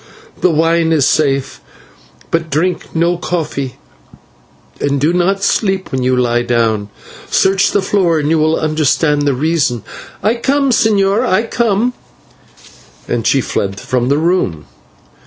The wine is safe, but drink no coffee, and do not sleep when you lie down. Search the floor and you will understand the reason. I come, señor! I come!" and she fled from the room.